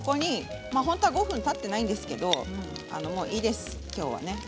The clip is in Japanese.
本当は５分たっていないんですけれどもいいです、今日はね。